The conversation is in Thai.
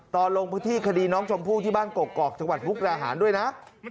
ตอนลงพื้นที่คดีน้องชมพู่ที่บ้านกกอกกอกจฮุกราหารด้วยนะ